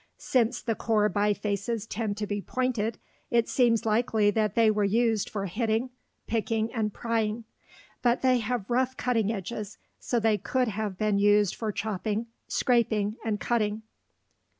Since the core bifaces tend to be pointed, it seems likely that they were used for hitting, picking, and prying. But they have rough cutting edges, so they could have been used for chopping, scraping, and cutting.